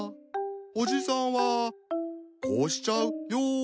おじさんはこうしちゃうよ。